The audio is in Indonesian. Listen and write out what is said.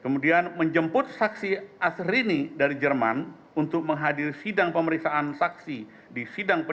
kemudian menjemput saksi asrini dari jerman untuk menghadir sidang pemeriksaan saksi di singapura